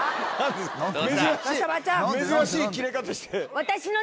珍しい珍しいキレ方して。